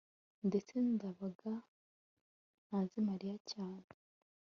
ndetse ndabaga ntazi mariya cyane